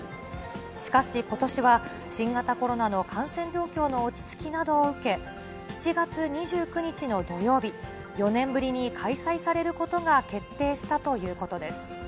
しかし、ことしは新型コロナの感染状況の落ち着きなどを受け、７月２９日の土曜日、４年ぶりに開催されることが決定したということです。